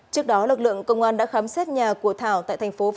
trước đó lực lượng công an đã khám xét nhà